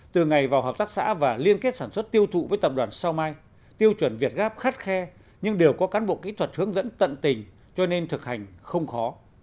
từ ngày vào hợp tác xã và liên kết sản xuất tiêu thụ với tập đoàn sao mai tiêu chuẩn việt gáp khắt khe nhưng đều có cán bộ kỹ thuật hướng dẫn tận tình cho nên thực hành không khó